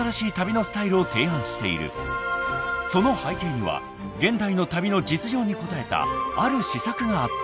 ［その背景には現代の旅の実情に応えたある施策があった］